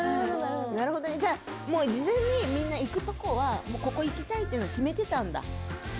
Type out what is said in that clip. なるほどねじゃ事前にみんな行くとこはここ行きたいっていうのを決めてたんだ？